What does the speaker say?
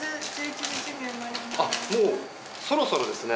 あっもうそろそろですね。